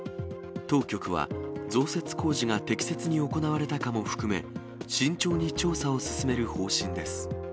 当局は増設工事が適切に行われたかも含め、慎重に調査を進める方針です。